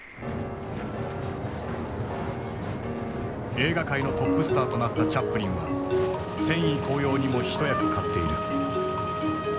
映画界のトップスターとなったチャップリンは戦意高揚にも一役買っている。